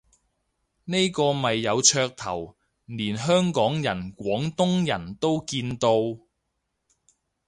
呢個咪有噱頭，連香港人廣東人都見到